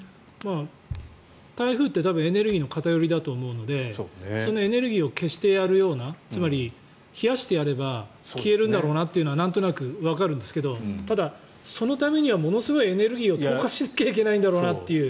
台風ってエネルギーの偏りだと思うのでそのエネルギーを消してやるようなつまり、冷やしてやれば消えるんだろうなというのはなんとなくわかるんですけどただ、そのためにはものすごいエネルギーを投下しなきゃいけないんだろうなという。